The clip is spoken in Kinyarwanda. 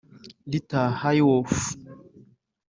Rita Hayworth